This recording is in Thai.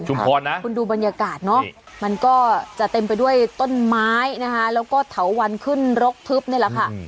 นะคุณดูบรรยากาศเนาะมันก็จะเต็มไปด้วยต้นไม้นะคะแล้วก็เถาวันขึ้นรกทึบนี่แหละค่ะ